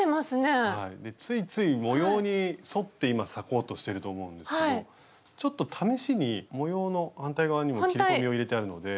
ついつい模様に沿って今裂こうとしてると思うんですけどちょっと試しに模様の反対側にも切り込みを入れてあるので。